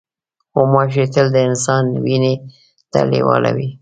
غوماشې تل د انسان وینې ته لیواله وي.